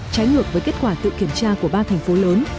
trái ngược với kết quả tự kiểm tra của ba thành phố lớn